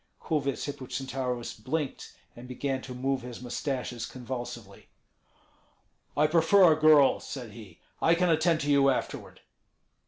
Kulvyets Hippocentaurus blinked, and began to move his mustaches convulsively. "I prefer a girl," said he; "I can attend to you afterward."